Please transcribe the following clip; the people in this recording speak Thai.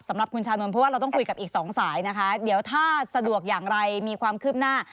สำหรับคุณชานนท์เพราะว่าเราต้องคุยกับอีกสองสายนะคะเดี๋ยวถ้าสะดวกอย่างไรมีความคืบหน้า